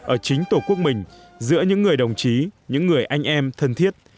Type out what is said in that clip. ở chính tổ quốc mình giữa những người đồng chí những người anh em thân thiết